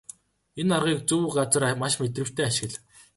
Энэ аргыг зөв газар маш мэдрэмжтэй ашигла.